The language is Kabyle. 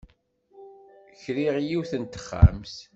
Kriɣ yiwet n texxamt.